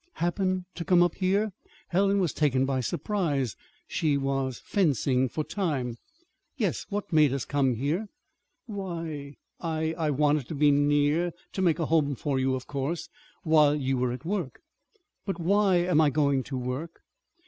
"Happen to come up here?" Helen was taken by surprise. She was fencing for time. "Yes. What made us come here?" "Why, I I wanted to be near to make a home for you, of course, while you were at work." "But why am I going to work?"